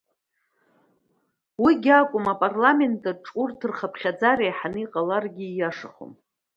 Уигьы акәым, апарламент аҿы урҭ рхыԥхьаӡара еиҳаны иҟаларгьы ииашахом.